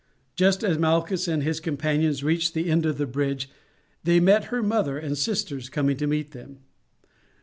Just as Malchus and his companion reached the end of the bridge they met her mother and sisters coming to meet them.